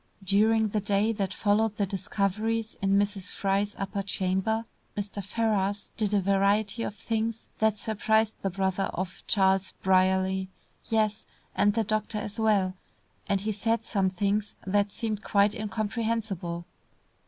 During the day that followed the discoveries in Mrs. Fry's upper chamber, Mr. Ferrars did a variety of things that surprised the brother of Charles Brierly; yes, and the doctor as well, and he said some things that seemed quite incomprehensible.